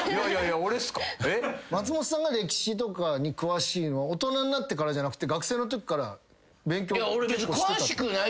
松本さんが歴史とかに詳しいのは大人になってからじゃなくて学生のときから勉強してた？